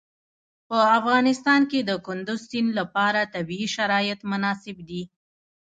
په افغانستان کې د کندز سیند لپاره طبیعي شرایط مناسب دي.